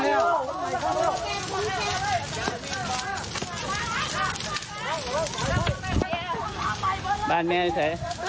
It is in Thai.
ไม่ว่างนี้น่ะ